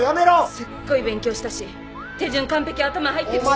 すっごい勉強したし手順完璧頭入ってるし。